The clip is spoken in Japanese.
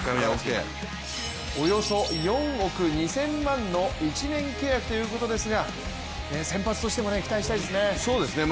およそ４億２０００万の１年契約ということですが先発としても期待したいですね。